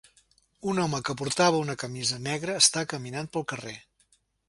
Un home que portava una camisa negre està caminant pel carrer.